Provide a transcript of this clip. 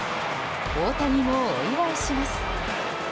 大谷もお祝いします。